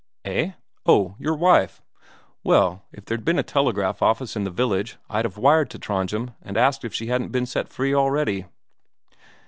"Eh? Oh, your wife! Well, if there'd been a telegraph office in the village, I'd have wired to Trondhjem and asked if she hadn't been set free already."